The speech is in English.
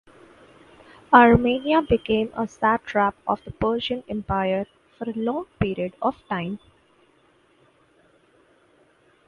Armenia became a satrap of the Persian Empire for a long period of time.